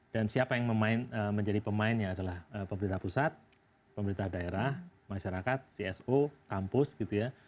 dan siapa yang menjadi pemainnya adalah pemerintah pusat pemerintah daerah masyarakat cso kampus gitu ya